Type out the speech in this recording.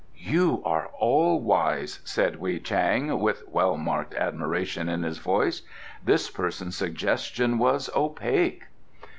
"You are all wise," said Wei Chang, with well marked admiration in his voice. "This person's suggestion was opaque."